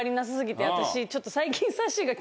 私ちょっと最近。